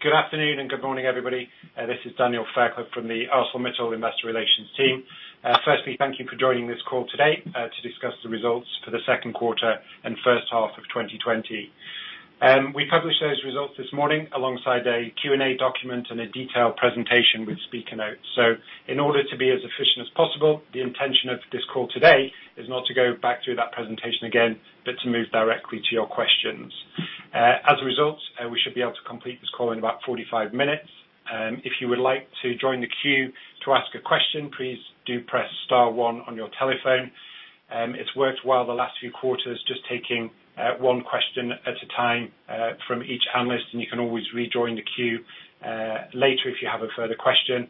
Good afternoon and good morning, everybody. This is Daniel Fairclough from the ArcelorMittal Investor Relations team. Firstly, thank you for joining this call today to discuss the results for the second quarter and first half of 2020. We published those results this morning alongside a Q&A document and a detailed presentation with speaker notes. In order to be as efficient as possible, the intention of this call today is not to go back through that presentation again, but to move directly to your questions. As a result, we should be able to complete this call in about 45 minutes. If you would like to join the queue to ask a question, please do press star one on your telephone. It's worked well the last few quarters, just taking one question at a time from each analyst, and you can always rejoin the queue later if you have a further question.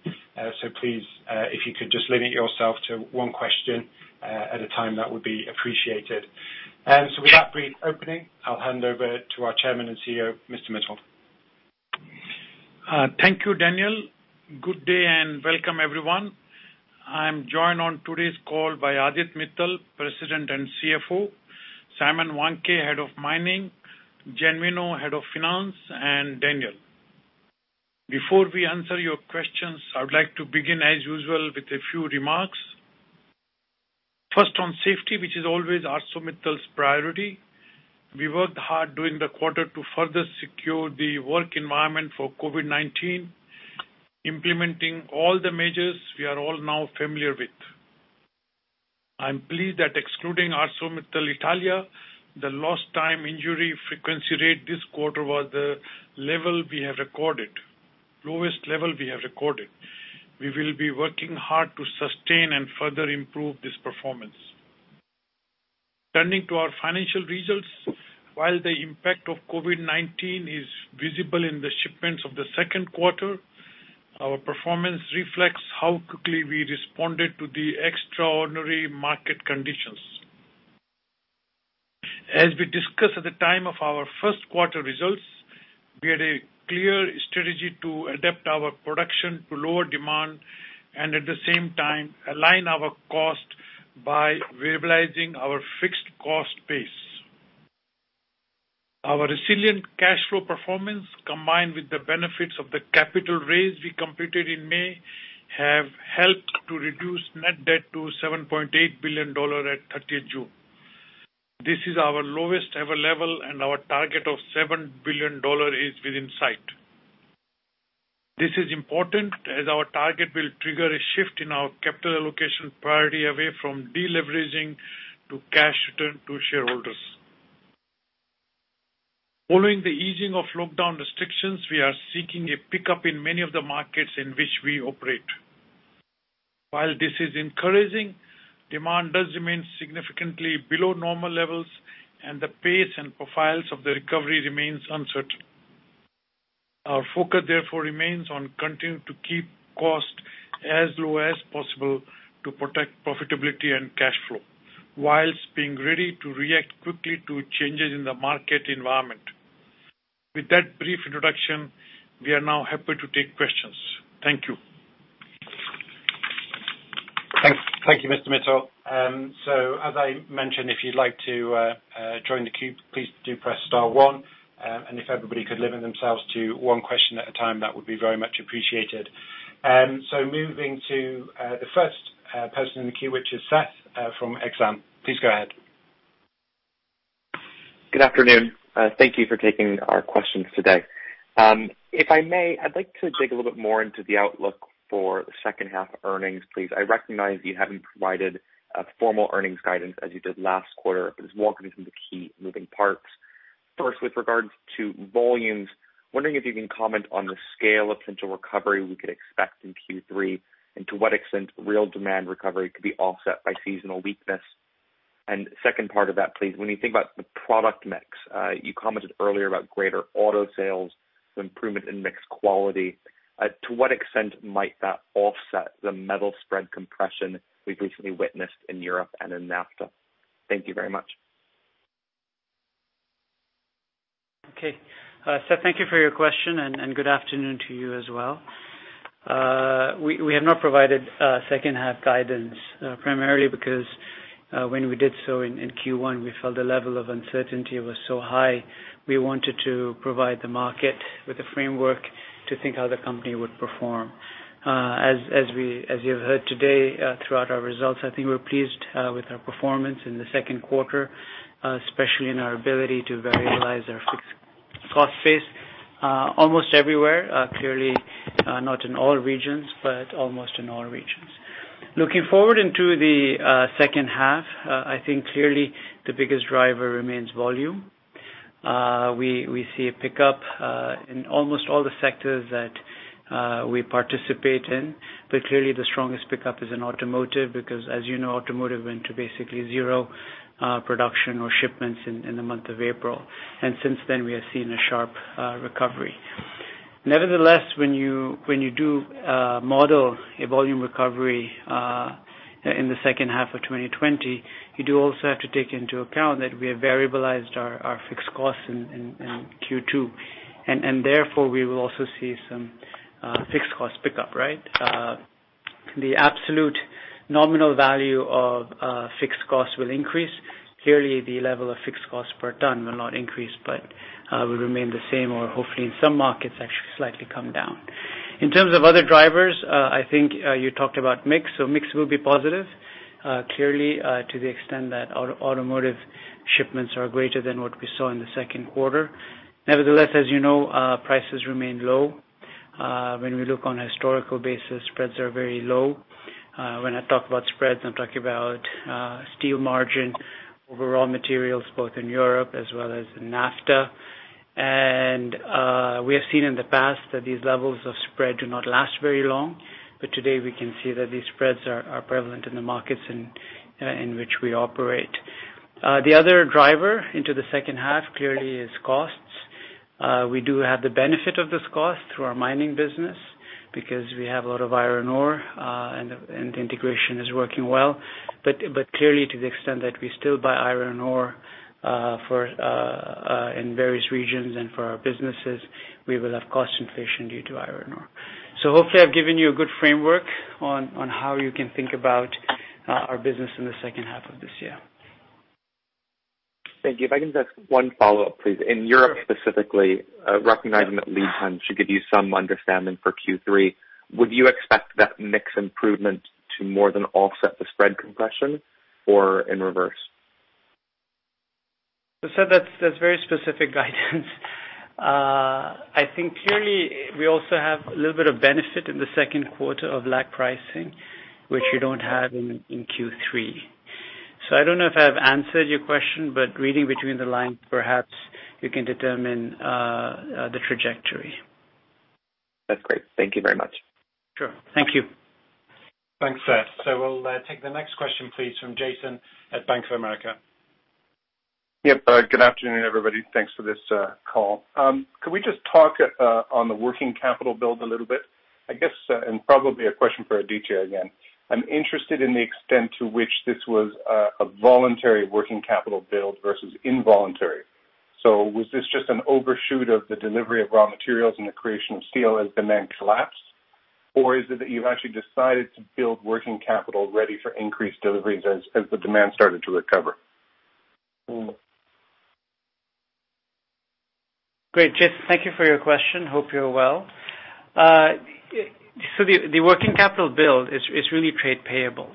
Please, if you could just limit yourself to one question at a time, that would be appreciated. With that brief opening, I'll hand over to our Chairman and CEO, Mr. Mittal. Thank you, Daniel. Good day and welcome everyone. I'm joined on today's call by Aditya Mittal, President and CFO, Simon Wandke, Head of Mining, Genuino, Head of Finance, and Daniel. Before we answer your questions, I would like to begin, as usual, with a few remarks. First on safety, which is always ArcelorMittal's priority. We worked hard during the quarter to further secure the work environment for COVID-19, implementing all the measures we are all now familiar with. I'm pleased that excluding ArcelorMittal Italia, the lost time injury frequency rate this quarter was the lowest level we have recorded. We will be working hard to sustain and further improve this performance. Turning to our financial results, while the impact of COVID-19 is visible in the shipments of the second quarter, our performance reflects how quickly we responded to the extraordinary market conditions. As we discussed at the time of our first quarter results, we had a clear strategy to adapt our production to lower demand and at the same time align our cost by variabilizing our fixed cost base. Our resilient cash flow performance, combined with the benefits of the capital raise we completed in May, have helped to reduce net debt to $7.8 billion at 30th June. This is our lowest ever level and our target of $7 billion is within sight. This is important as our target will trigger a shift in our capital allocation priority away from deleveraging to cash return to shareholders. Following the easing of lockdown restrictions, we are seeking a pickup in many of the markets in which we operate. While this is encouraging, demand does remain significantly below normal levels, and the pace and profiles of the recovery remains uncertain. Our focus therefore remains on continuing to keep cost as low as possible to protect profitability and cash flow while being ready to react quickly to changes in the market environment. With that brief introduction, we are now happy to take questions. Thank you. Thank you, Mr. Mittal. As I mentioned, if you'd like to join the queue, please do press star one, and if everybody could limit themselves to one question at a time, that would be very much appreciated. Moving to the first person in the queue, which is Seth from Exane. Please go ahead. Good afternoon. Thank you for taking our questions today. If I may, I'd like to dig a little bit more into the outlook for the second half earnings, please. I recognize you haven't provided a formal earnings guidance as you did last quarter, but just walk me through the key moving parts. First, with regards to volumes, wondering if you can comment on the scale of potential recovery we could expect in Q3, and to what extent real demand recovery could be offset by seasonal weakness. Second part of that, please, when you think about the product mix, you commented earlier about greater auto sales, the improvement in mix quality. To what extent might that offset the metal spread compression we've recently witnessed in Europe and in NAFTA? Thank you very much. Seth, thank you for your question, and good afternoon to you as well. We have not provided second half guidance, primarily because when we did so in Q1, we felt the level of uncertainty was so high we wanted to provide the market with a framework to think how the company would perform. As you have heard today throughout our results, I think we're pleased with our performance in the second quarter, especially in our ability to variabilize our fixed cost base almost everywhere. Clearly, not in all regions, but almost in all regions. Looking forward into the second half, I think clearly the biggest driver remains volume. We see a pickup in almost all the sectors that we participate in, but clearly the strongest pickup is in automotive because as you know, automotive went to basically zero production or shipments in the month of April. Since then, we have seen a sharp recovery. Nevertheless, when you do model a volume recovery in the second half of 2020, you do also have to take into account that we have variabilized our fixed costs in Q2. Therefore, we will also see some fixed cost pickup, right? The absolute nominal value of fixed costs will increase. Clearly, the level of fixed costs per ton will not increase, but will remain the same or hopefully in some markets, actually slightly come down. In terms of other drivers, I think you talked about mix. Mix will be positive, clearly, to the extent that automotive shipments are greater than what we saw in the second quarter. Nevertheless, as you know, prices remain low. When we look on a historical basis, spreads are very low. When I talk about spreads, I'm talking about steel margin over raw materials, both in Europe as well as in NAFTA. We have seen in the past that these levels of spread do not last very long. Today, we can see that these spreads are prevalent in the markets in which we operate. The other driver into the second half clearly is costs. We do have the benefit of this cost through our mining business because we have a lot of iron ore, and the integration is working well. Clearly to the extent that we still buy iron ore in various regions and for our businesses, we will have cost inflation due to iron ore. Hopefully I've given you a good framework on how you can think about our business in the second half of this year. Thank you. If I can just one follow-up, please. In Europe specifically, recognizing that lead time should give you some understanding for Q3, would you expect that mix improvement to more than offset the spread compression or in reverse? That's very specific guidance. I think clearly we also have a little bit of benefit in the second quarter of lag pricing, which we don't have in Q3. I don't know if I've answered your question, but reading between the lines, perhaps you can determine the trajectory. That's great. Thank you very much. Sure. Thank you. Thanks, Seth. We'll take the next question, please, from Jason at Bank of America. Yep. Good afternoon, everybody. Thanks for this call. Could we just talk on the working capital build a little bit? I guess, probably a question for Aditya again. I'm interested in the extent to which this was a voluntary working capital build versus involuntary. Was this just an overshoot of the delivery of raw materials and the creation of steel as demand collapsed? Is it that you've actually decided to build working capital ready for increased deliveries as the demand started to recover? Great, Jason. Thank you for your question. Hope you're well. The working capital build is really trade payables.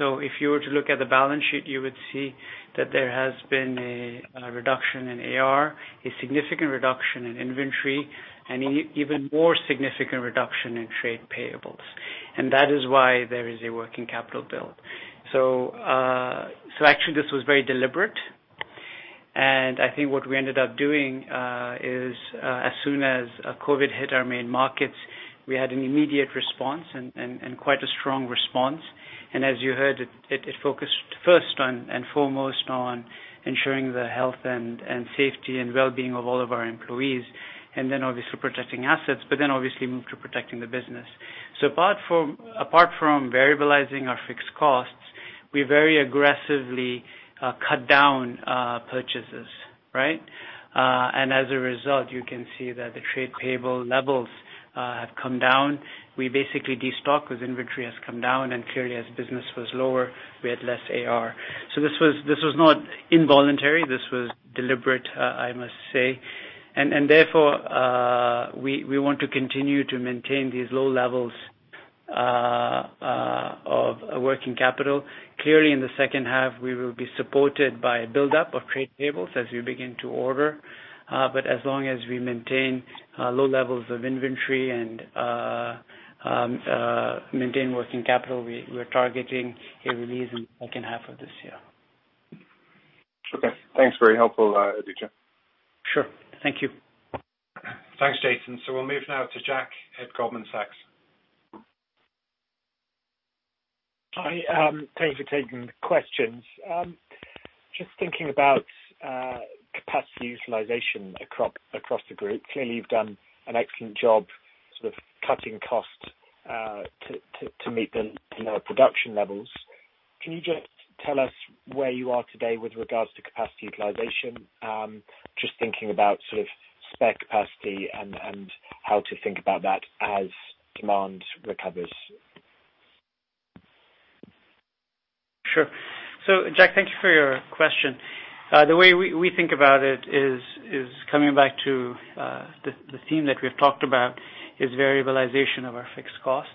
If you were to look at the balance sheet, you would see that there has been a reduction in AR, a significant reduction in inventory, and even more significant reduction in trade payables. That is why there is a working capital build. Actually this was very deliberate, and I think what we ended up doing is, as soon as COVID hit our main markets, we had an immediate response, and quite a strong response. As you heard, it focused first and foremost on ensuring the health and safety and wellbeing of all of our employees, and then obviously protecting assets, but then obviously moved to protecting the business. Apart from variabilizing our fixed costs, we very aggressively cut down purchases. Right? As a result, you can see that the trade payable levels have come down. We basically de-stocked as inventory has come down, and clearly as business was lower, we had less AR. This was not involuntary. This was deliberate, I must say. Therefore, we want to continue to maintain these low levels of working capital. Clearly, in the second half, we will be supported by a buildup of trade payables as we begin to order. As long as we maintain low levels of inventory and maintain working capital, we're targeting a release in the second half of this year. Okay, thanks. Very helpful, Aditya. Sure. Thank you. Thanks, Jason. We'll move now to Jack at Goldman Sachs. Hi. Thanks for taking the questions. Just thinking about capacity utilization across the group. Clearly, you've done an excellent job sort of cutting costs to meet the lower production levels. Can you just tell us where you are today with regards to capacity utilization? Just thinking about sort of spare capacity and how to think about that as demand recovers. Sure. Jack, thank you for your question. The way we think about it is coming back to the theme that we've talked about, is variabilization of our fixed costs.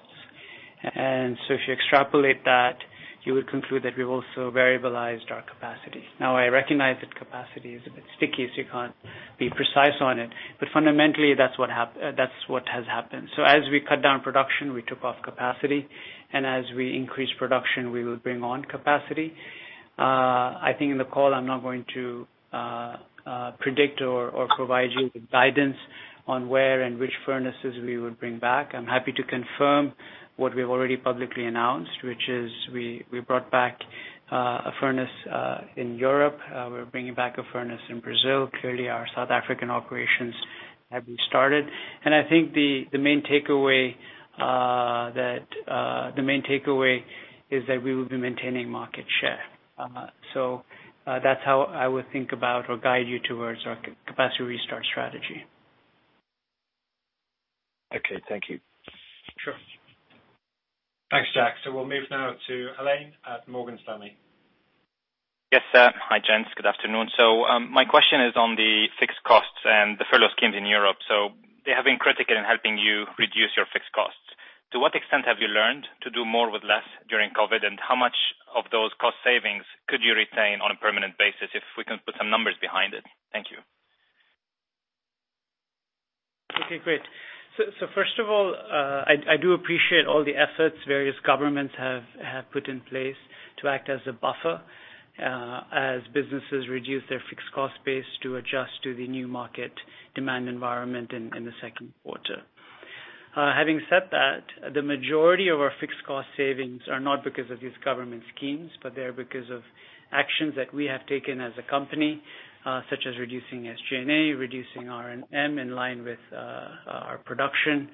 If you extrapolate that, you would conclude that we've also variabilized our capacity. Now, I recognize that capacity is a bit sticky, so you can't be precise on it. Fundamentally, that's what has happened. As we cut down production, we took off capacity, and as we increase production, we will bring on capacity. I think in the call, I'm not going to predict or provide you with guidance on where and which furnaces we would bring back. I'm happy to confirm what we've already publicly announced, which is we brought back a furnace in Europe. We're bringing back a furnace in Brazil. Clearly, our South African operations have been started. I think the main takeaway is that we will be maintaining market share. That's how I would think about or guide you towards our capacity restart strategy. Okay. Thank you. Sure. Thanks, Jack. We'll move now to Alain at Morgan Stanley. Yes, sir. Hi, gents. Good afternoon. My question is on the fixed costs and the furlough schemes in Europe. They have been critical in helping you reduce your fixed costs. To what extent have you learned to do more with less during COVID-19? How much of those cost savings could you retain on a permanent basis, if we can put some numbers behind it? Thank you. Okay, great. First of all, I do appreciate all the efforts various governments have put in place to act as a buffer as businesses reduce their fixed cost base to adjust to the new market demand environment in the second quarter. Having said that, the majority of our fixed cost savings are not because of these government schemes, but they are because of actions that we have taken as a company such as reducing SG&A, reducing R&M in line with our production.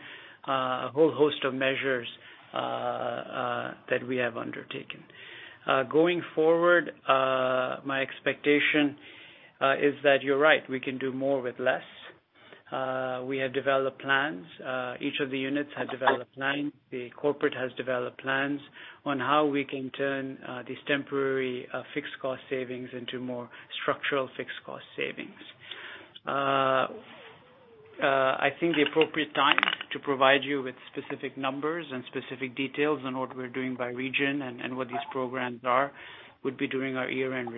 A whole host of measures that we have undertaken. Going forward, my expectation is that you're right, we can do more with less. We have developed plans. Each of the units has developed plans. The corporate has developed plans on how we can turn these temporary fixed cost savings into more structural fixed cost savings. I think the appropriate time to provide you with specific numbers and specific details on what we're doing by region and what these programs are, would be during our year-end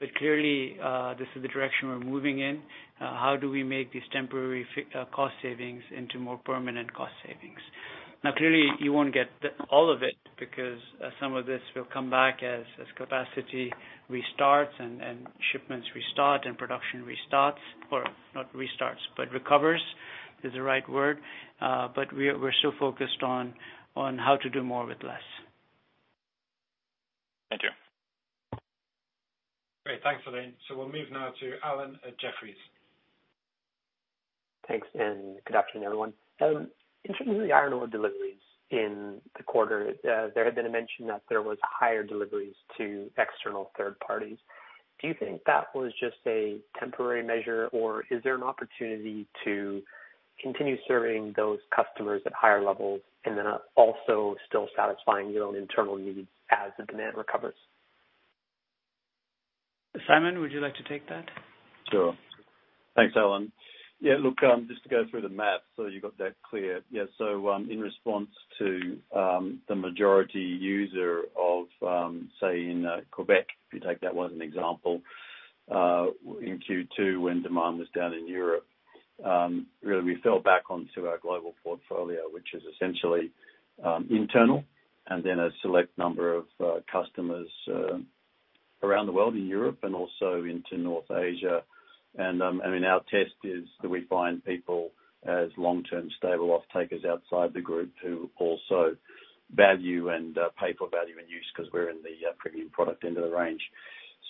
result. Clearly, this is the direction we're moving in. How do we make these temporary cost savings into more permanent cost savings? Clearly, you won't get all of it because some of this will come back as capacity restarts and shipments restart and production restarts, or not restarts, but recovers is the right word. We're still focused on how to do more with less. Thank you. Great. Thanks, Alain. We'll move now to Alan at Jefferies. Thanks. Good afternoon, everyone. In terms of the iron ore deliveries in the quarter, there had been a mention that there was higher deliveries to external third parties. Do you think that was just a temporary measure, or is there an opportunity to continue serving those customers at higher levels and then also still satisfying your own internal needs as the demand recovers? Simon, would you like to take that? Sure. Thanks, Alan. Look, just to go through the math so you got that clear. In response to the majority user of say, in Quebec, if you take that one as an example, in Q2 when demand was down in Europe really we fell back onto our global portfolio, which is essentially internal and then a select number of customers around the world in Europe and also into North Asia. And our test is that we find people as long-term stable off-takers outside the group who also value and pay for value and use because we're in the premium product end of the range.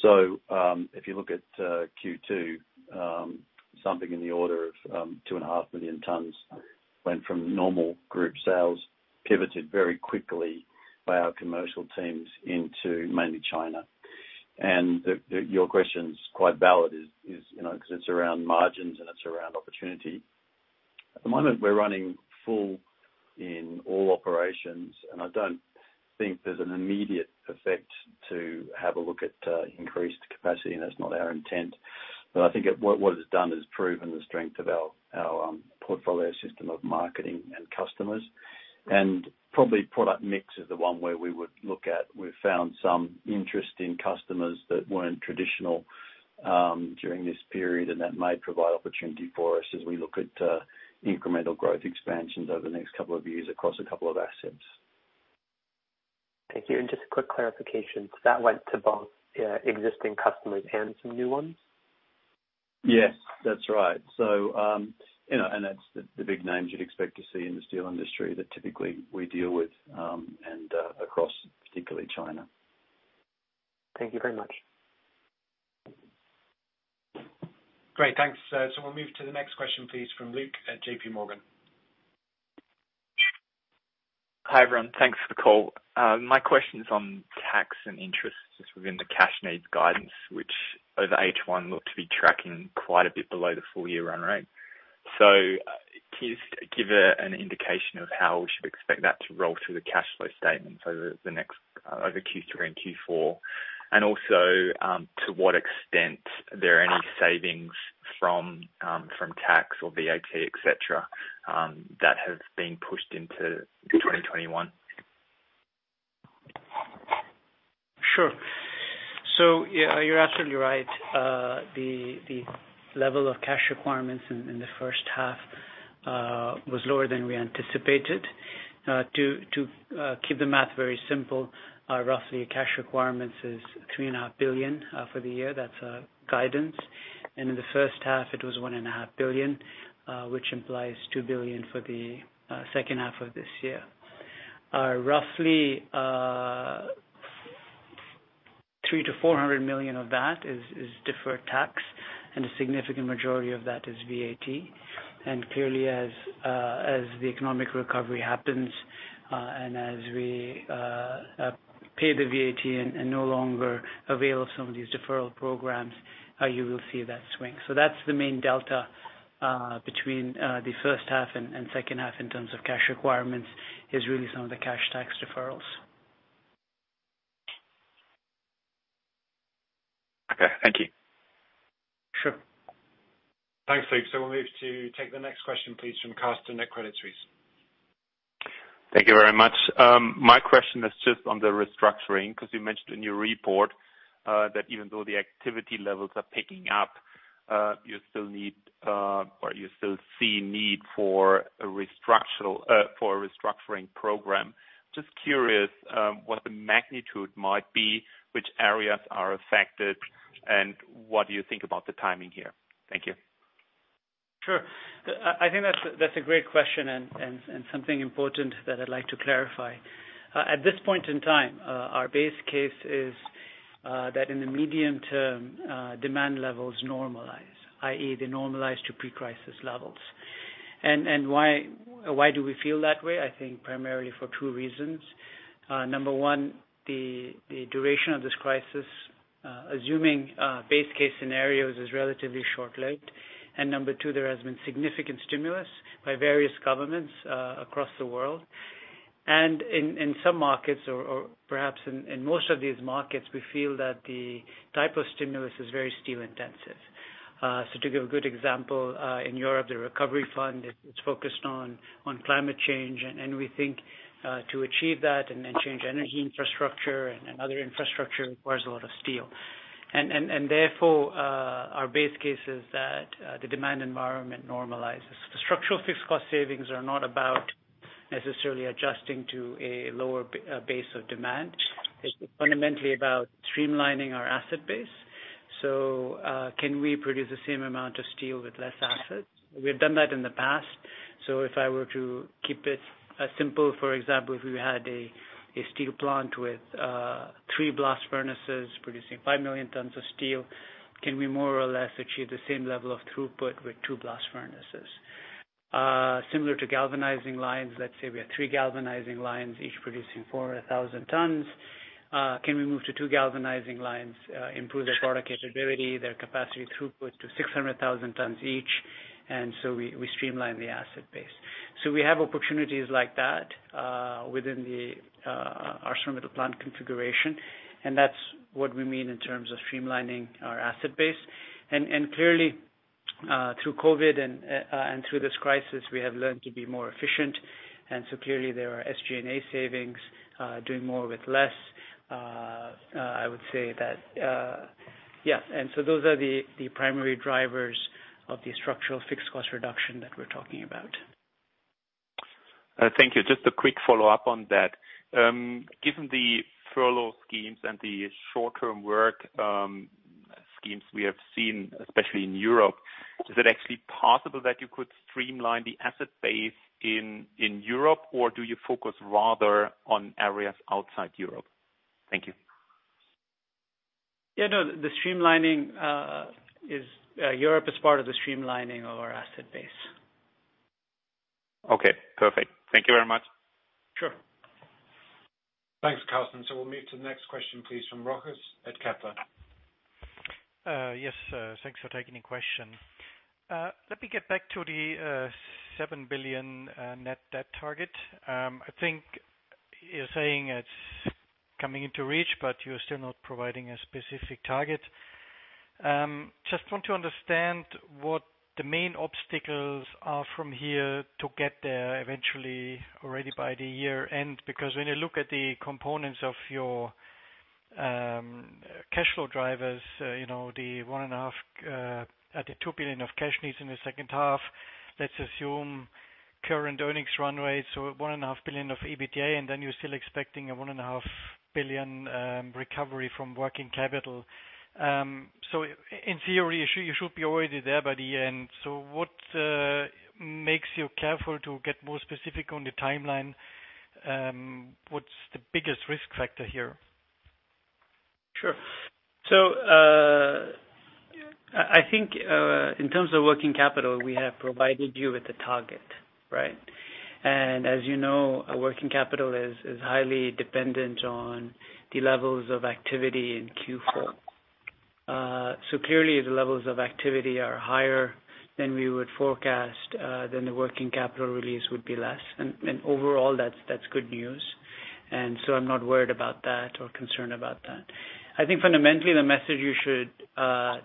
If you look at Q2, something in the order of 2.5 million tons went from normal group sales, pivoted very quickly by our commercial teams into mainly China. Your question's quite valid because it's around margins and it's around opportunity. At the moment, we're running full in all operations, and I don't think there's an immediate effect to have a look at increased capacity, and that's not our intent. I think what it's done is proven the strength of our portfolio system of marketing and customers, and probably product mix is the one where we would look at. We've found some interest in customers that weren't traditional during this period, and that may provide opportunity for us as we look at incremental growth expansions over the next couple of years across a couple of assets. Thank you. Just a quick clarification. That went to both existing customers and some new ones? Yes, that's right. That's the big names you'd expect to see in the steel industry that typically we deal with and across particularly China. Thank you very much. Great. Thanks. We'll move to the next question, please, from Luke at JPMorgan. Hi, everyone. Thanks for the call. My question is on tax and interest within the cash needs guidance, which over H1 looked to be tracking quite a bit below the full-year run rate. Can you give an indication of how we should expect that to roll through the cash flow statement over Q3 and Q4, and also to what extent are there any savings from tax or VAT, et cetera, that have been pushed into 2021? Sure. Yeah, you're absolutely right. The level of cash requirements in the first half was lower than we anticipated. To keep the math very simple, roughly cash requirements is $3.5 billion for the year. That's guidance. In the first half, it was $1.5 billion, which implies $2 billion for the second half of this year. Roughly, $300 million-$400 million of that is deferred tax, and a significant majority of that is VAT. Clearly as the economic recovery happens, and as we pay the VAT and no longer avail of some of these deferral programs, you will see that swing. That's the main delta between the first half and second half in terms of cash requirements, is really some of the cash tax deferrals. Okay. Thank you. Sure. Thanks, Luke. We'll move to take the next question, please, from Carsten at Credit Suisse. Thank you very much. My question is just on the restructuring, because you mentioned in your report that even though the activity levels are picking up, you still see need for a restructuring program. Just curious what the magnitude might be, which areas are affected, and what do you think about the timing here? Thank you. Sure. I think that's a great question and something important that I'd like to clarify. At this point in time, our base case is that in the medium term, demand levels normalize, i.e., they normalize to pre-crisis levels. Why do we feel that way? I think primarily for two reasons. Number one, the duration of this crisis, assuming base case scenarios, is relatively short-lived. Number two, there has been significant stimulus by various governments across the world. In some markets, or perhaps in most of these markets, we feel that the type of stimulus is very steel intensive. To give a good example, in Europe, the recovery fund is focused on climate change. We think to achieve that and then change energy infrastructure and other infrastructure requires a lot of steel. Therefore, our base case is that the demand environment normalizes. Structural fixed cost savings are not about necessarily adjusting to a lower base of demand. It's fundamentally about streamlining our asset base. Can we produce the same amount of steel with less assets? We've done that in the past. If I were to keep it simple, for example, if we had a steel plant with three blast furnaces producing 5 million tons of steel, can we more or less achieve the same level of throughput with two blast furnaces? Similar to galvanizing lines, let's say we have three galvanizing lines, each producing 400,000 tons. Can we move to two galvanizing lines, improve their product capability, their capacity throughput to 600,000 tons each, and we streamline the asset base. We have opportunities like that within our ArcelorMittal plant configuration, and that's what we mean in terms of streamlining our asset base. Clearly, through COVID and through this crisis, we have learned to be more efficient. Clearly, there are SG&A savings, doing more with less. I would say that, yeah. Those are the primary drivers of the structural fixed cost reduction that we're talking about. Thank you. Just a quick follow-up on that. Given the furlough schemes and the short-term work schemes we have seen, especially in Europe, is it actually possible that you could streamline the asset base in Europe, or do you focus rather on areas outside Europe? Thank you. Yeah, no, Europe is part of the streamlining of our asset base. Okay, perfect. Thank you very much. Sure. Thanks, Carsten. We'll move to the next question, please, from Rochus at Kepler. Yes. Thanks for taking the question. Let me get back to the $7 billion net debt target. I think you're saying it's coming into reach, you're still not providing a specific target. Want to understand what the main obstacles are from here to get there eventually already by the year-end. When you look at the components of your cash flow drivers, the $2 billion of cash needs in the second half, let's assume current earnings run rates, $1.5 billion of EBITDA, you're still expecting a $1.5 billion recovery from working capital. In theory, you should be already there by the end. What makes you careful to get more specific on the timeline? What's the biggest risk factor here? Sure. I think in terms of working capital, we have provided you with the target, right? As you know, working capital is highly dependent on the levels of activity in Q4. Clearly, if the levels of activity are higher than we would forecast, the working capital release would be less. Overall, that's good news. I'm not worried about that or concerned about that. I think fundamentally, the message you should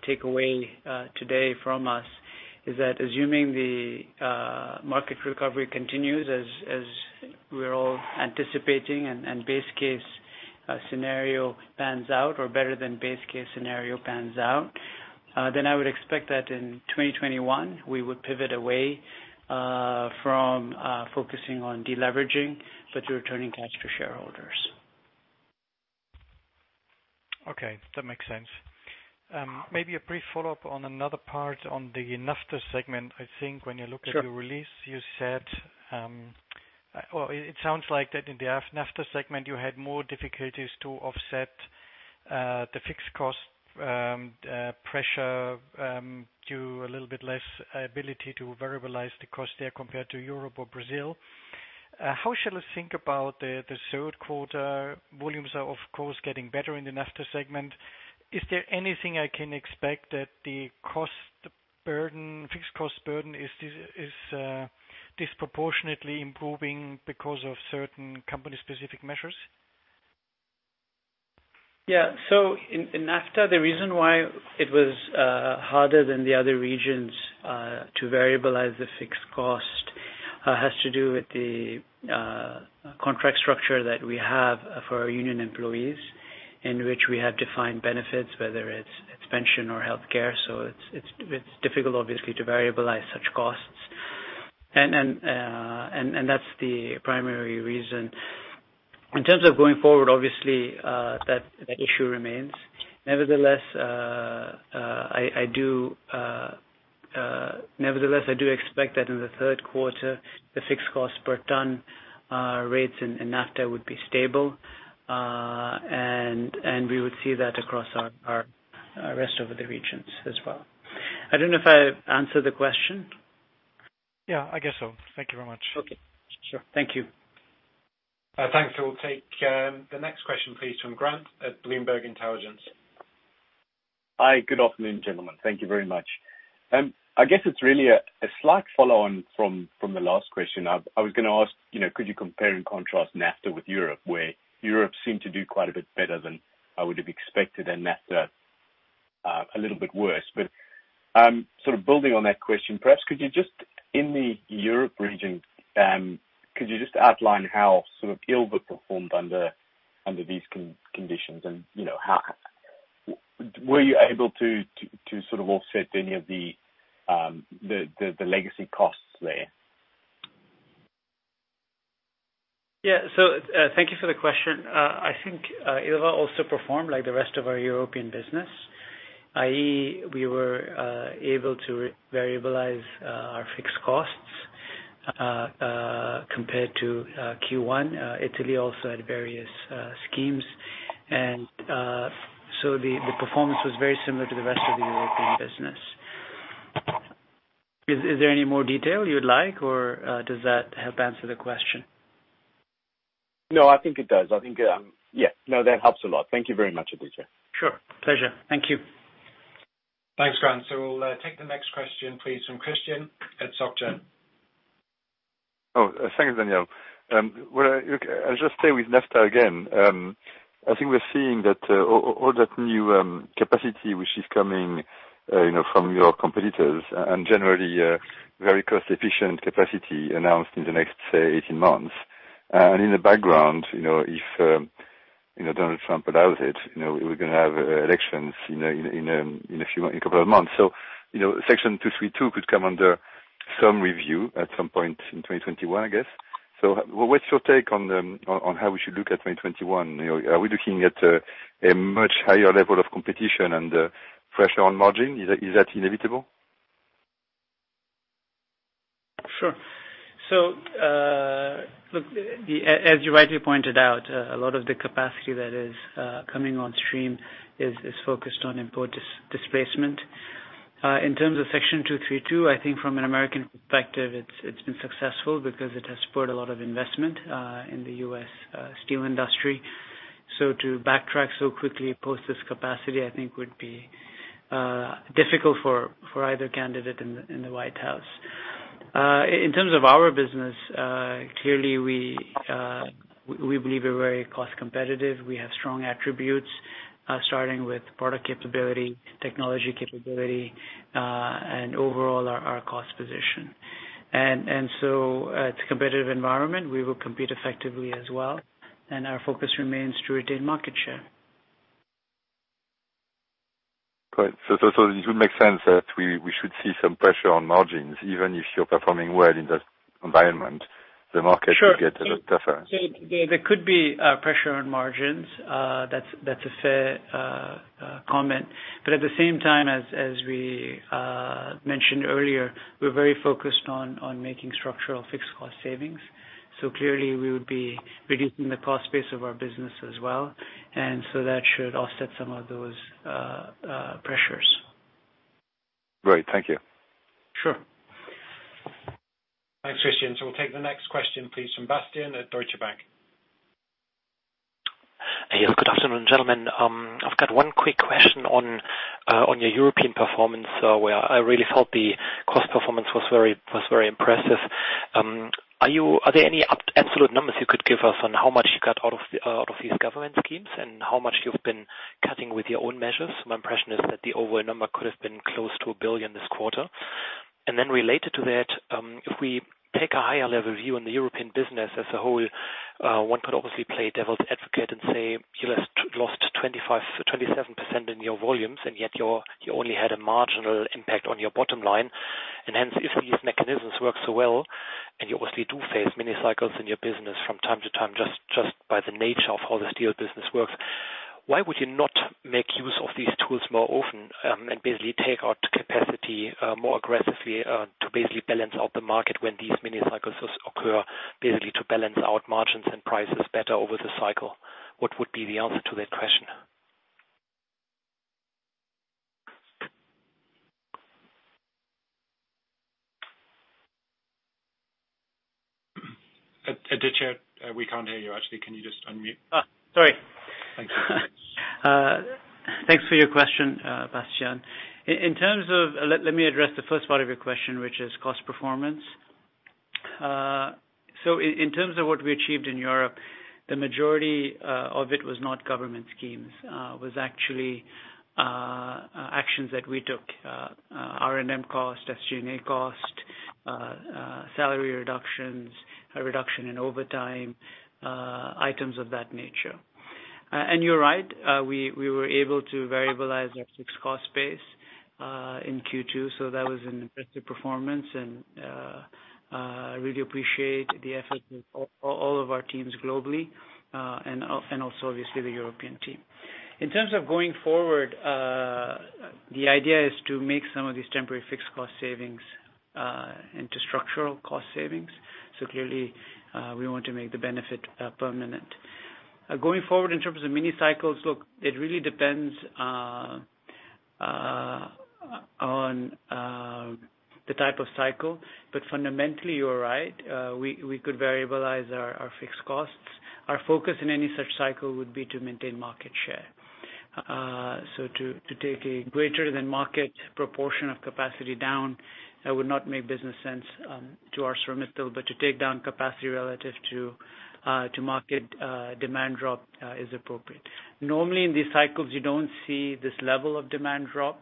take away today from us is that assuming the market recovery continues as we are all anticipating and base case scenario pans out, or better than base case scenario pans out, I would expect that in 2021, we would pivot away from focusing on deleveraging, but to returning cash to shareholders. Okay. That makes sense. Maybe a brief follow-up on another part on the NAFTA segment. Sure. Your release, you said, or it sounds like that in the NAFTA segment, you had more difficulties to offset the fixed cost pressure due a little bit less ability to variabilize the cost there compared to Europe or Brazil. How shall I think about the third quarter? Volumes are, of course, getting better in the NAFTA segment. Is there anything I can expect that the fixed cost burden is disproportionately improving because of certain company specific measures? In NAFTA, the reason why it was harder than the other regions to variabilize the fixed cost has to do with the contract structure that we have for our union employees in which we have defined benefits, whether it's pension or healthcare. It's difficult, obviously, to variabilize such costs. That's the primary reason. In terms of going forward, obviously, that issue remains. Nevertheless, I do expect that in the third quarter, the fixed cost per ton rates in NAFTA would be stable, and we would see that across our rest of the regions as well. I don't know if I answered the question. Yeah, I guess so. Thank you very much. Okay. Sure. Thank you. Thanks. We'll take the next question, please, from Grant at Bloomberg Intelligence. Hi. Good afternoon, gentlemen. Thank you very much. I guess it's really a slight follow on from the last question. I was going to ask, could you compare and contrast NAFTA with Europe, where Europe seemed to do quite a bit better than I would have expected and NAFTA a little bit worse. Sort of building on that question, perhaps could you just, in the Europe region, could you just outline how sort of Ilva performed under these conditions and were you able to sort of offset any of the legacy costs there? Thank you for the question. I think Ilva also performed like the rest of our European business, i.e., we were able to variabilize our fixed costs, compared to Q1. Italy also had various schemes, and so the performance was very similar to the rest of the European business. Is there any more detail you would like, or does that help answer the question? No, I think it does. No, that helps a lot. Thank you very much, Aditya. Sure. Pleasure. Thank you. Thanks, Grant. We'll take the next question, please, from Christian at SocGen. Oh, thanks, Daniel. I'll just stay with NAFTA again. I think we're seeing that all that new capacity which is coming from your competitors and generally very cost-efficient capacity announced in the next, say, 18 months. In the background, if Donald Trump allows it, we're going to have elections in a couple of months. Section 232 could come under some review at some point in 2021, I guess. What's your take on how we should look at 2021? Are we looking at a much higher level of competition and pressure on margin? Is that inevitable? Sure. Look, as you rightly pointed out, a lot of the capacity that is coming on stream is focused on import displacement. In terms of Section 232, I think from an American perspective, it's been successful because it has spurred a lot of investment in the U.S. steel industry. To backtrack so quickly post this capacity, I think would be difficult for either candidate in the White House. In terms of our business, clearly we believe we're very cost competitive. We have strong attributes, starting with product capability, technology capability, and overall our cost position. It's a competitive environment. We will compete effectively as well, and our focus remains to retain market share. Great. It would make sense that we should see some pressure on margins. Even if you're performing well, the market- Sure. Will get a lot tougher. There could be pressure on margins. That's a fair comment. At the same time, as we mentioned earlier, we're very focused on making structural fixed cost savings. Clearly we would be reducing the cost base of our business as well. That should offset some of those pressures. Great. Thank you. Sure. Thanks, Christian. We'll take the next question, please, from Bastian at Deutsche Bank. Hey. Good afternoon, gentlemen. I've got one quick question on your European performance, where I really felt the cost performance was very impressive. Are there any absolute numbers you could give us on how much you got out of these government schemes and how much you've been cutting with your own measures? My impression is that the overall number could have been close to $1 billion this quarter. Related to that, if we take a higher level view on the European business as a whole, one could obviously play devil's advocate and say you lost 27% in your volumes, and yet you only had a marginal impact on your bottom line. Hence, if these mechanisms work so well, and you obviously do face mini cycles in your business from time to time, just by the nature of how the steel business works, why would you not make use of these tools more often and basically take out capacity more aggressively to basically balance out the market when these mini cycles occur, basically to balance out margins and prices better over the cycle? What would be the answer to that question? Aditya, we can't hear you, actually. Can you just unmute? Sorry. Thank you. Thanks for your question, Bastian. Let me address the first part of your question, which is cost performance. In terms of what we achieved in Europe, the majority of it was not government schemes. It was actually actions that we took, R&M cost, SG&A cost, salary reductions, a reduction in overtime, items of that nature. You're right, we were able to variabilize our fixed cost base in Q2, that was an impressive performance, and I really appreciate the effort of all of our teams globally and also obviously the European team. In terms of going forward, the idea is to make some of these temporary fixed cost savings into structural cost savings. Clearly, we want to make the benefit permanent. Going forward, in terms of mini cycles, look, it really depends on the type of cycle. Fundamentally, you are right, we could variabilize our fixed costs. Our focus in any such cycle would be to maintain market share. To take a greater than market proportion of capacity down would not make business sense to ArcelorMittal. To take down capacity relative to market demand drop is appropriate. Normally, in these cycles, you don't see this level of demand drop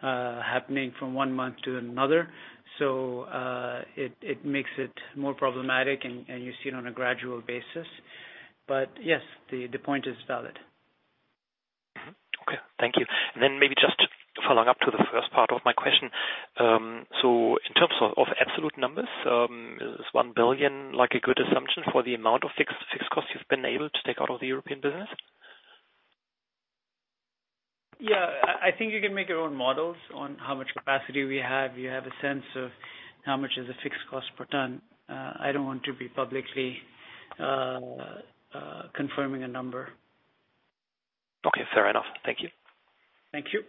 happening from one month to another, so it makes it more problematic and you see it on a gradual basis. Yes, the point is valid. Okay. Thank you. Then maybe just following up to the first part of my question. In terms of absolute numbers, is $1 billion a good assumption for the amount of fixed costs you've been able to take out of the European business? I think you can make your own models on how much capacity we have. You have a sense of how much is a fixed cost per ton. I don't want to be publicly confirming a number. Okay. Fair enough. Thank you. Thank you.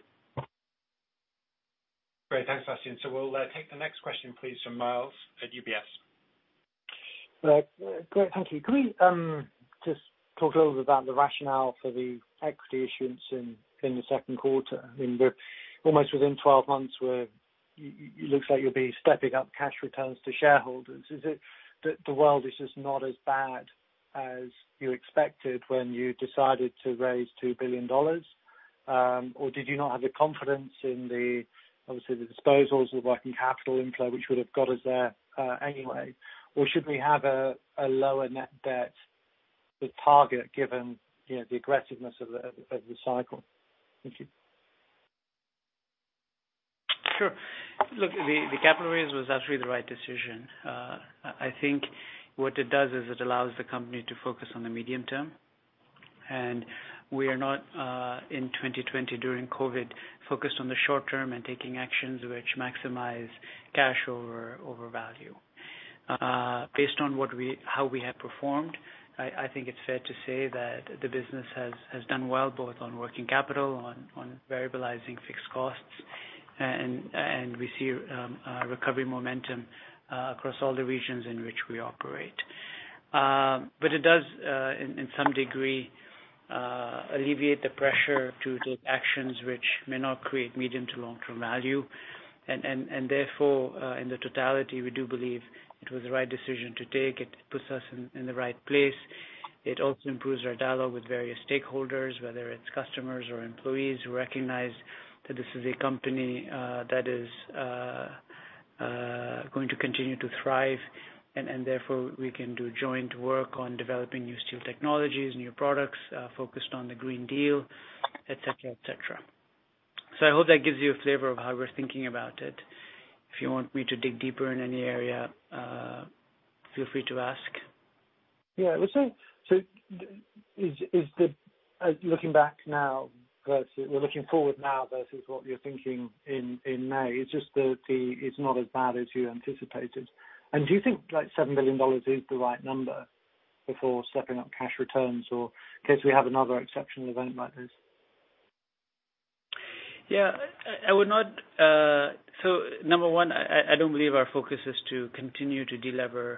Great. Thanks, Bastian. We'll take the next question, please, from Myles at UBS. Great. Thank you. Can we just talk a little bit about the rationale for the equity issuance in the second quarter? Almost within 12 months, it looks like you'll be stepping up cash returns to shareholders. Is it that the world is just not as bad as you expected when you decided to raise $2 billion? Did you not have the confidence in the, obviously, the disposals of working capital inflow, which would have got us there anyway? Should we have a lower net debt, the target, given the aggressiveness of the cycle? Thank you. Sure. Look, the capital raise was actually the right decision. I think what it does is it allows the company to focus on the medium term, and we are not, in 2020, during COVID, focused on the short term and taking actions which maximize cash over value. Based on how we have performed, I think it's fair to say that the business has done well, both on working capital, on variabilizing fixed costs, and we see a recovery momentum across all the regions in which we operate. It does, in some degree, alleviate the pressure to take actions which may not create medium to long-term value, and therefore, in the totality, we do believe it was the right decision to take. It puts us in the right place. It also improves our dialogue with various stakeholders, whether it's customers or employees, who recognize that this is a company that is going to continue to thrive, and therefore we can do joint work on developing new steel technologies, new products focused on the Green Deal, et cetera. I hope that gives you a flavor of how we're thinking about it. If you want me to dig deeper in any area, feel free to ask. Yeah. We're looking forward now versus what you're thinking in May. It's just that it's not as bad as you anticipated. Do you think $7 billion is the right number before stepping up cash returns or in case we have another exceptional event like this? Yeah. Number one, I don't believe our focus is to continue to delever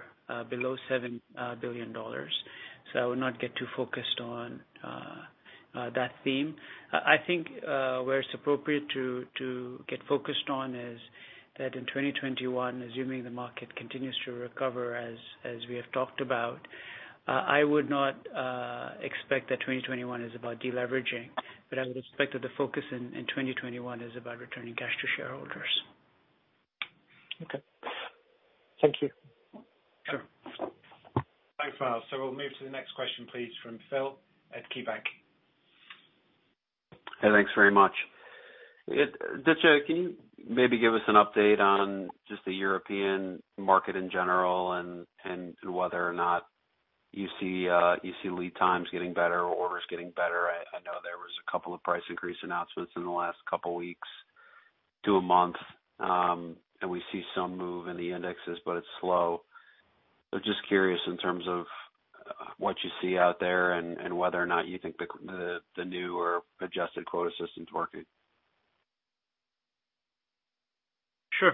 below $7 billion. I would not get too focused on that theme. I think where it's appropriate to get focused on is that in 2021, assuming the market continues to recover as we have talked about, I would not expect that 2021 is about deleveraging, but I would expect that the focus in 2021 is about returning cash to shareholders. Okay. Thank you. Sure. Thanks, Myles. We'll move to the next question, please, from Phil at KeyBanc. Hey, thanks very much. Aditya, can you maybe give us an update on just the European market in general and whether or not you see lead times getting better or orders getting better? I know there was a couple of price increase announcements in the last couple weeks to a month, and we see some move in the indexes, but it's slow. Just curious in terms of what you see out there and whether or not you think the new or adjusted quota system is working. Sure.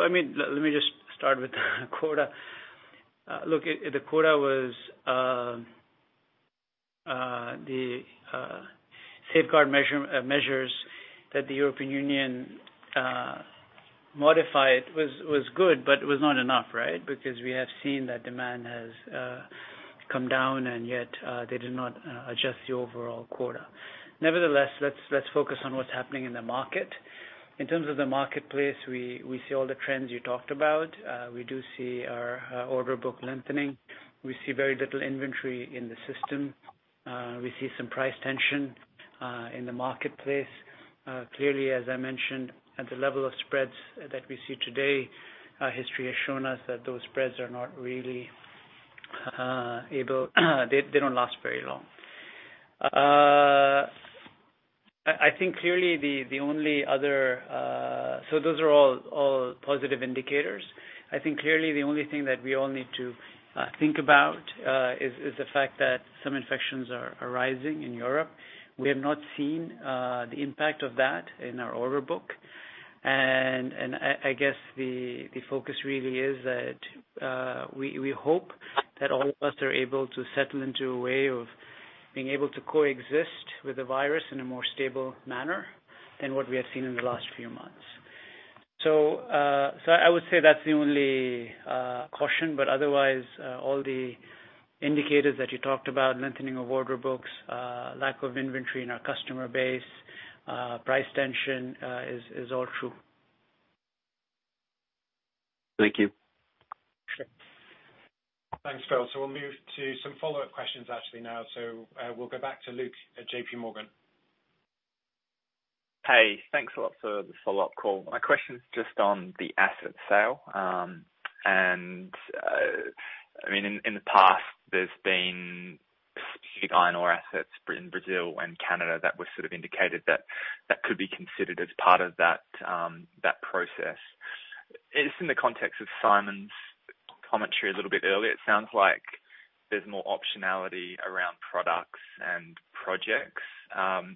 Let me just start with the quota. Look, the quota was the safeguard measures that the European Union modified was good, but it was not enough, right? Because we have seen that demand has come down, and yet they did not adjust the overall quota. Nevertheless, let's focus on what's happening in the market. In terms of the marketplace, we see all the trends you talked about. We do see our order book lengthening. We see very little inventory in the system. We see some price tension in the marketplace. Clearly, as I mentioned, at the level of spreads that we see today, history has shown us that those spreads are not really they don't last very long. I think clearly, those are all positive indicators. I think clearly the only thing that we all need to think about is the fact that some infections are rising in Europe. We have not seen the impact of that in our order book. I guess the focus really is that we hope that all of us are able to settle into a way of being able to coexist with the virus in a more stable manner than what we have seen in the last few months. I would say that's the only caution, but otherwise, all the indicators that you talked about, lengthening of order books, lack of inventory in our customer base, price tension, is all true. Thank you. Sure. Thanks, Phil. We'll move to some follow-up questions actually now. We'll go back to Luke at JPMorgan. Hey, thanks a lot for the follow-up call. My question is just on the asset sale. In the past, there's been big iron ore assets in Brazil and Canada that was sort of indicated that that could be considered as part of that process. It's in the context of Simon's commentary a little bit earlier. It sounds like there's more optionality around products and projects. Are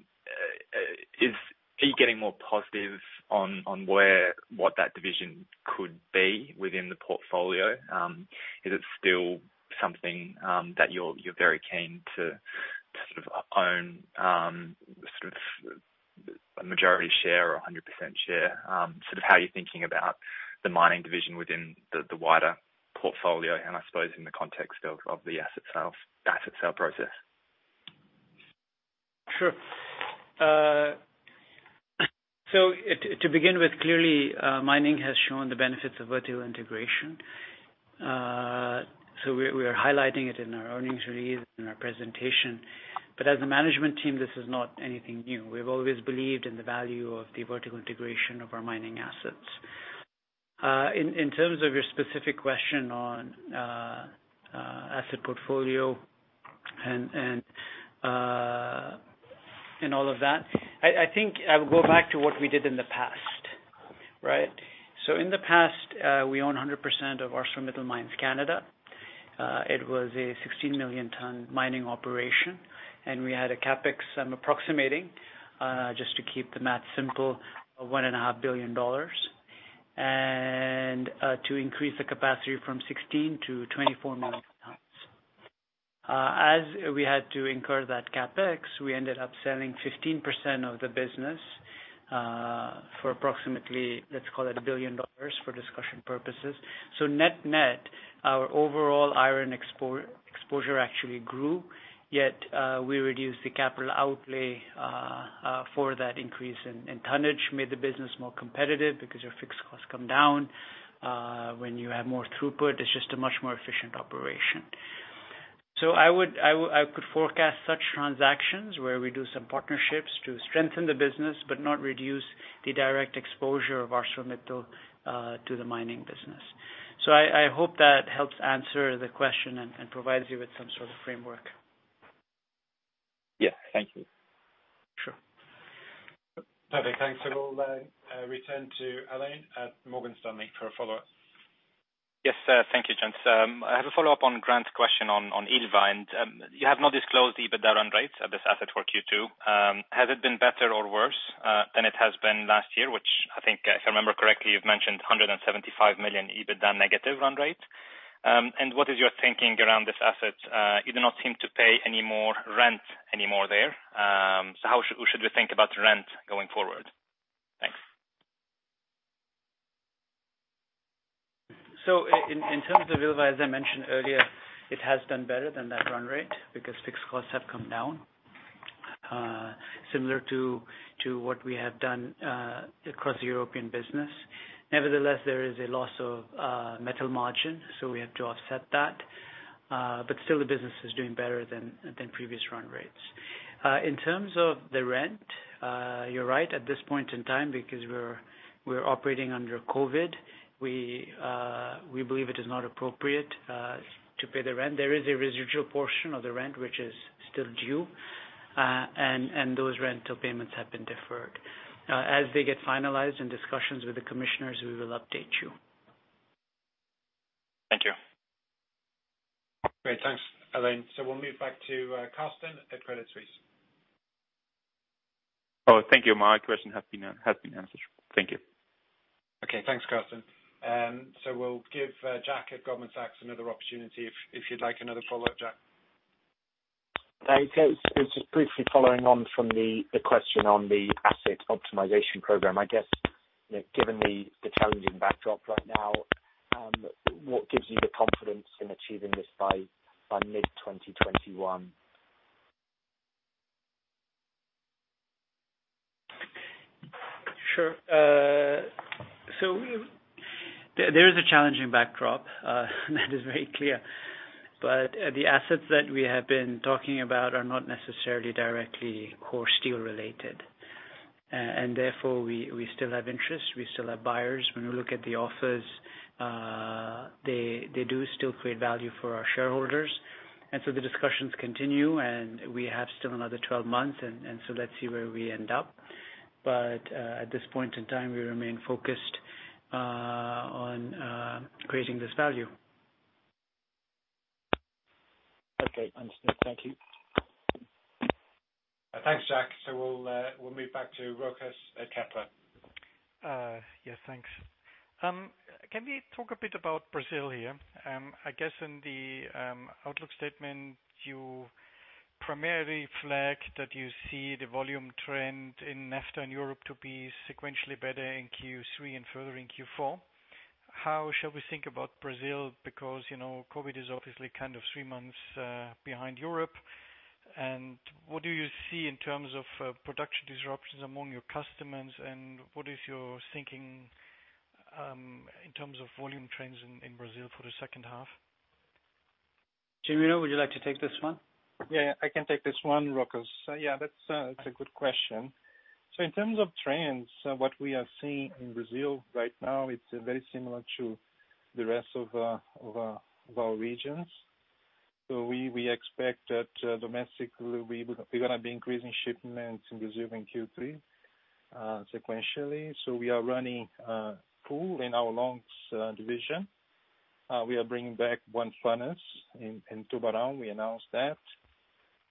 you getting more positive on what that division could be within the portfolio? Is it still something that you're very keen to own a majority share or 100% share? How are you thinking about the mining division within the wider portfolio, and I suppose in the context of the asset sale process? Sure. To begin with, clearly, mining has shown the benefits of vertical integration. We are highlighting it in our earnings release, in our presentation. As a management team, this is not anything new. We've always believed in the value of the vertical integration of our mining assets. In terms of your specific question on asset portfolio and all of that, I think I would go back to what we did in the past. Right? In the past, we own 100% of ArcelorMittal Mines Canada. It was a 16 million ton mining operation, and we had a CapEx, I'm approximating, just to keep the math simple, of $1.5 billion. To increase the capacity from 16 million to 24 million tons. As we had to incur that CapEx, we ended up selling 15% of the business for approximately, let's call it, $1 billion for discussion purposes. Net-net, our overall iron exposure actually grew, yet we reduced the capital outlay for that increase in tonnage, made the business more competitive because your fixed costs come down. When you have more throughput, it's just a much more efficient operation. I could forecast such transactions where we do some partnerships to strengthen the business but not reduce the direct exposure of ArcelorMittal to the mining business. I hope that helps answer the question and provides you with some sort of framework. Yeah. Thank you. Sure. Perfect. Thanks. We'll then return to Alain at Morgan Stanley for a follow-up. Yes. Thank you, gents. I have a follow-up on Grant's question on Ilva. You have not disclosed EBITDA run rate at this asset for Q2. Has it been better or worse than it has been last year, which I think if I remember correctly, you've mentioned $175 million EBITDA negative run rate. What is your thinking around this asset? You do not seem to pay any more rent anymore there. How should we think about rent going forward? Thanks. In terms of Ilva, as I mentioned earlier, it has done better than that run rate because fixed costs have come down. Similar to what we have done across the European business. There is a loss of metal margin, so we have to offset that. Still the business is doing better than previous run rates. In terms of the rent, you're right, at this point in time, because we're operating under COVID, we believe it is not appropriate to pay the rent. There is a residual portion of the rent which is still due, and those rental payments have been deferred. As they get finalized in discussions with the commissioners, we will update you. Thank you. Great. Thanks, Alain. We'll move back to Carsten at Credit Suisse. Oh, thank you. My question has been answered. Thank you. Okay, thanks, Carsten. We'll give Jack at Goldman Sachs another opportunity, if you'd like another follow-up, Jack. Just briefly following on from the question on the asset optimization program. I guess, given the challenging backdrop right now, what gives you the confidence in achieving this by mid-2021? Sure. There is a challenging backdrop, that is very clear. The assets that we have been talking about are not necessarily directly core steel-related. Therefore, we still have interest, we still have buyers. When we look at the offers, they do still create value for our shareholders. The discussions continue, and we have still another 12 months, let's see where we end up. At this point in time, we remain focused on creating this value. Okay, understood. Thank you. Thanks, Jack. We'll move back to Rochus at Kepler. Yes, thanks. Can we talk a bit about Brazil here? I guess in the outlook statement, you primarily flagged that you see the volume trend in NAFTA and Europe to be sequentially better in Q3 and further in Q4. How shall we think about Brazil? Because COVID is obviously three months behind Europe. What do you see in terms of production disruptions among your customers, and what is your thinking in terms of volume trends in Brazil for the second half? Genuino, would you like to take this one? Yeah, I can take this one, Rochus. Yeah, that's a good question. In terms of trends, what we are seeing in Brazil right now, it's very similar to the rest of our regions. We expect that domestically, we're going to be increasing shipments in Brazil in Q3 sequentially. We are running full in our longs division. We are bringing back one furnace in Tubarão. We announced that.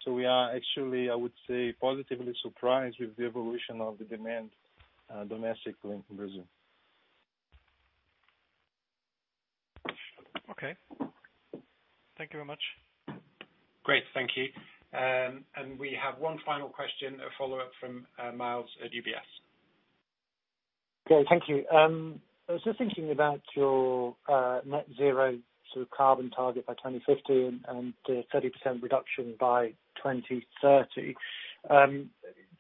We are actually, I would say, positively surprised with the evolution of the demand domestically in Brazil. Okay. Thank you very much. Great. Thank you. We have one final question, a follow-up from Myles at UBS. Okay, thank you. I was just thinking about your net zero carbon target by 2050 and the 30% reduction by 2030.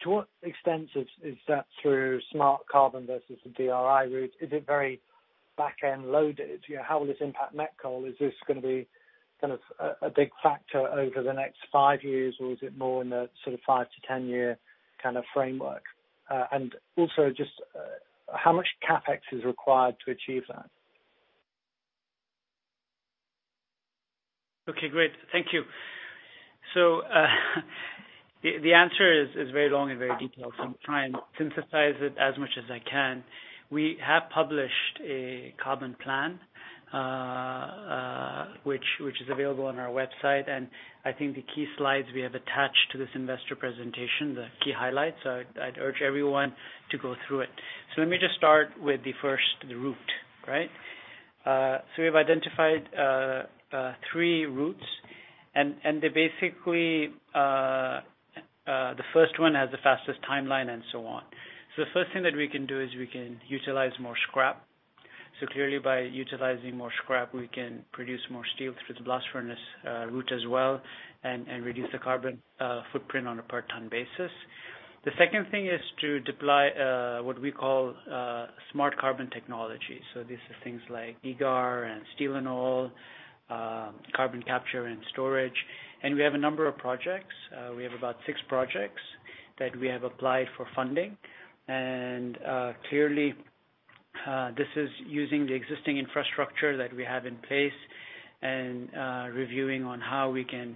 To what extent is that through Smart Carbon versus the DRI route? Is it very back-end loaded? How will this impact met coal? Is this going to be a big factor over the next five years, or is it more in the 5-10-year framework? Also just how much CapEx is required to achieve that? Okay, great. Thank you. The answer is very long and very detailed, I'll try and synthesize it as much as I can. We have published a carbon plan, which is available on our website, and I think the key slides we have attached to this investor presentation, the key highlights. I'd urge everyone to go through it. Let me just start with the first, the route. Right. We have identified three routes, and basically, the first one has the fastest timeline and so on. The first thing that we can do is we can utilize more scrap. Clearly, by utilizing more scrap, we can produce more steel through the blast furnace route as well and reduce the carbon footprint on a per ton basis. The second thing is to deploy what we call Smart Carbon technology. These are things like IGAR and Steelanol, carbon capture and storage. We have a number of projects. We have about six projects that we have applied for funding. Clearly, this is using the existing infrastructure that we have in place and reviewing on how we can,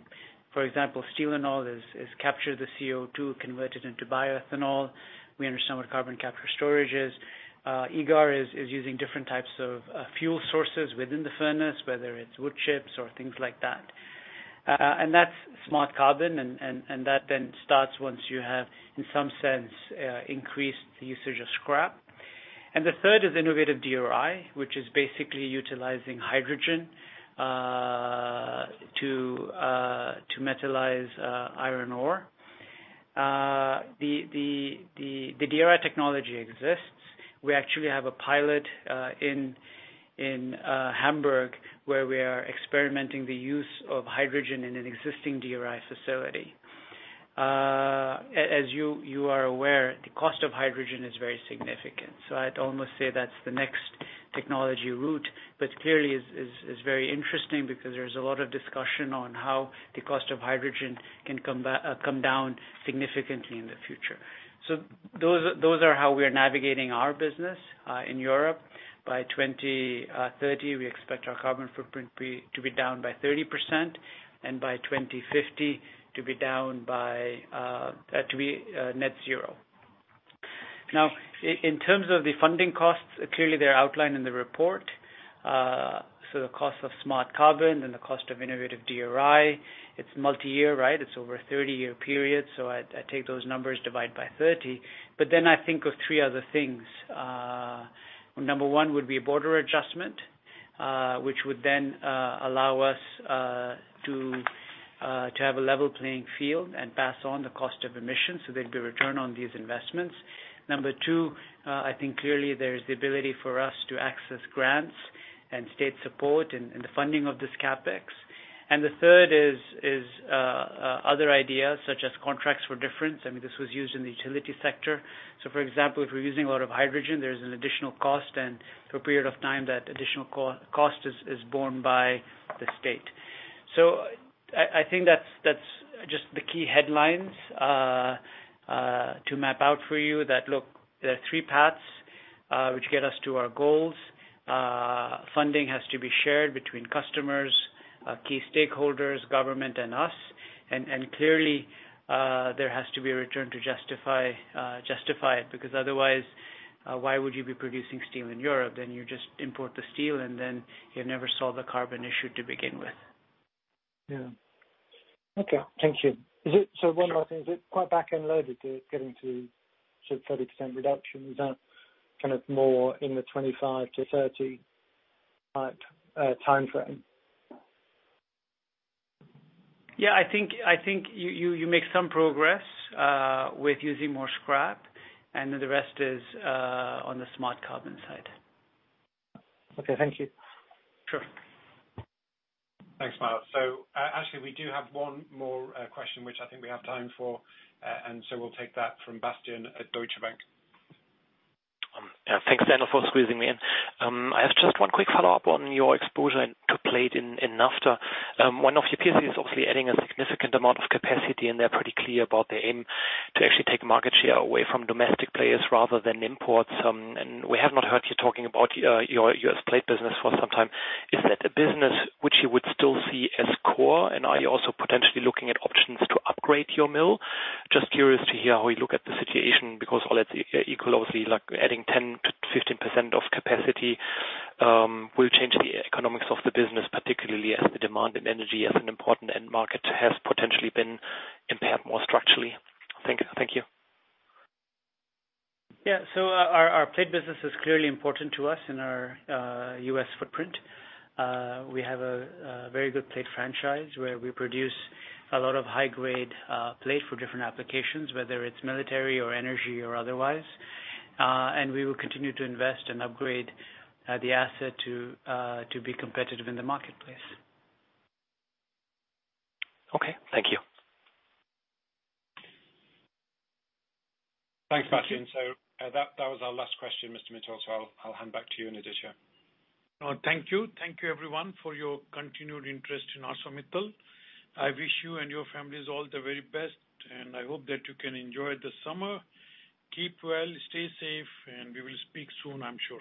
for example, Steelanol has captured the CO2, convert it into bioethanol. We understand what carbon capture and storage is. IGAR is using different types of fuel sources within the furnace, whether it's wood chips or things like that. That's Smart Carbon, and that then starts once you have, in some sense, increased the usage of scrap. The third is innovative DRI, which is basically utilizing hydrogen to metallize iron ore. The DRI technology exists. We actually have a pilot in Hamburg where we are experimenting the use of hydrogen in an existing DRI facility. As you are aware, the cost of hydrogen is very significant, so I'd almost say that's the next technology route. Clearly, it's very interesting because there's a lot of discussion on how the cost of hydrogen can come down significantly in the future. Those are how we are navigating our business in Europe. By 2030, we expect our carbon footprint to be down by 30%, and by 2050 to be net zero. Now, in terms of the funding costs, clearly they're outlined in the report. The cost of Smart Carbon and the cost of innovative DRI, it's multi-year. It's over a 30-year period, so I take those numbers divide by 30. I think of three other things. Number one would be a border adjustment, which would then allow us to have a level playing field and pass on the cost of emissions so there'd be a return on these investments. Number two, I think clearly there is the ability for us to access grants and state support in the funding of this CapEx. The third is other ideas such as contracts for difference. This was used in the utility sector. For example, if we're using a lot of hydrogen, there's an additional cost, and for a period of time, that additional cost is borne by the state. I think that's just the key headlines to map out for you that look, there are three paths which get us to our goals. Funding has to be shared between customers, key stakeholders, government, and us. Clearly, there has to be a return to justify it, because otherwise why would you be producing steel in Europe? You just import the steel, and then you never solve the carbon issue to begin with. Yeah. Okay. Thank you. One more thing. Is it quite back-end loaded to getting to 30% reduction? Is that more in the 25-30 type timeframe? Yeah, I think you make some progress with using more scrap, and then the rest is on the Smart Carbon side. Okay. Thank you. Sure. Thanks, Myles. Actually, we do have one more question, which I think we have time for. We'll take that from Bastian at Deutsche Bank. Yeah. Thanks, Daniel, for squeezing me in. I have just one quick follow-up on your exposure to plate in NAFTA. One of your peers is obviously adding a significant amount of capacity, and they're pretty clear about their aim to actually take market share away from domestic players rather than imports. We have not heard you talking about your U.S. plate business for some time. Is that a business which you would still see as core? Are you also potentially looking at options to upgrade your mill? Just curious to hear how you look at the situation, because all that's equal, obviously, like adding 10%-15% of capacity will change the economics of the business, particularly as the demand in energy as an important end market has potentially been impaired more structurally. Thank you. Our plate business is clearly important to us in our U.S. footprint. We have a very good plate franchise where we produce a lot of high-grade plate for different applications, whether it's military or energy or otherwise. We will continue to invest and upgrade the asset to be competitive in the marketplace. Okay. Thank you. Thanks, Bastian. That was our last question, Mr. Mittal. I'll hand back to you, Lakshmi. Thank you. Thank you, everyone, for your continued interest in ArcelorMittal. I wish you and your families all the very best, and I hope that you can enjoy the summer. Keep well, stay safe, and we will speak soon, I'm sure.